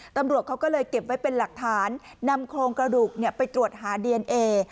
ตำรวจเขาก็เลยเก็บไว้เป็นหลักฐานนำโครงกระดูกไปตรวจหาดีเอนเอ